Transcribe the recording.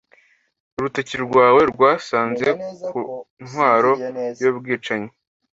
Urutoki rwawe rwasanze ku ntwaro yubwicanyi.